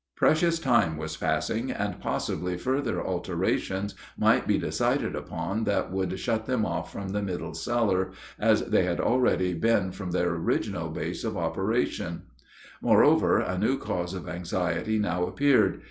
Precious time was passing, and possibly further alterations might be decided upon that would shut them off from the middle cellar, as they had already been from their original base of operations. Moreover, a new cause of anxiety now appeared.